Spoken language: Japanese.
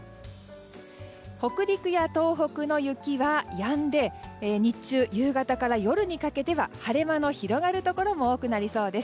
北陸や東北の雪はやんで日中、夕方から夜にかけては晴れ間の広がるところも多くなりそうです。